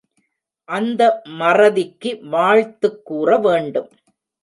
அந்த மறதி க்கு வாழ்த்துக் கூறவேண்டும்.